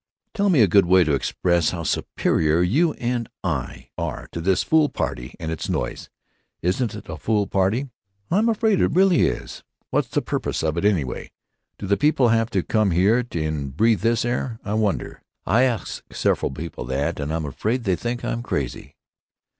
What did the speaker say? Tell me a good way to express how superior you and I are to this fool party and its noise. Isn't it a fool party?" "I'm afraid it really is." "What's the purpose of it, anyway? Do the people have to come here and breathe this air, I wonder? I asked several people that, and I'm afraid they think I'm crazy."